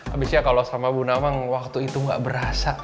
abisnya kalau sama bunda wang waktu itu gak berasa